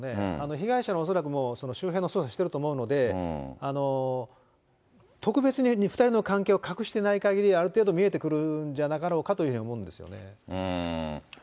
被害者の恐らく周辺の捜査をしてると思うので、特別に、２人の関係を隠していないかぎり、ある程度、見えてくるんじゃなかろうかと思うんですよね。